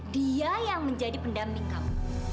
dia yang menjadi pendamping kamu